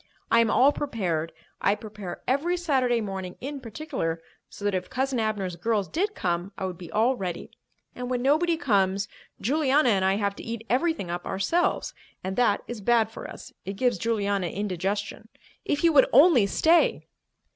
I am all prepared. I prepare every Saturday morning, in particular, so that if Cousin Abner's girls did come, I would be all ready. And when nobody comes, Juliana and I have to eat everything up ourselves. And that is bad for us—it gives Juliana indigestion. If you would only stay!"